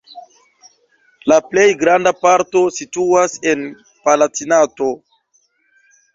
La plej granda parto situas en Palatinato.